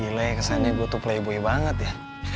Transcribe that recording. gila ya kesannya gua tuh playboy banget ya